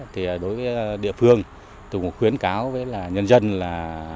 thì đối với địa phương tôi cũng khuyến cáo với nhân dân là